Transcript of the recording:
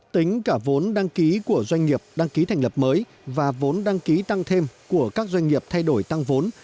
tính cả vốn đăng ký của doanh nghiệp đăng ký thành lập mới và vốn đăng ký tăng thêm của các doanh nghiệp thay đổi tăng vốn